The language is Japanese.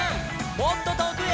「もっととおくへ」